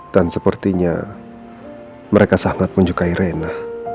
dan sepertinya mereka sangat menyukai reina